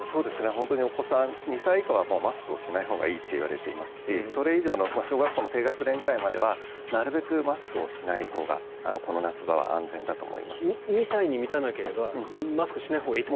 本当にお子さん２歳以下はもうマスクをしないほうがいいといわれていますしそれ以上の小学校低学年ぐらいまではなるべくマスクをしないほうが２歳に満たなければマスクしないほうがいいと？